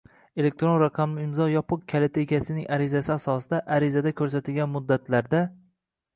elektron raqamli imzo yopiq kaliti egasining arizasi asosida, arizada ko‘rsatilgan muddatga